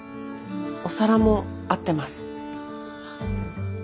お皿も合ってます。ね！